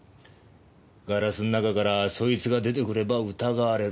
ガラスの中からそいつが出てくれば疑われる。